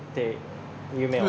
夢は？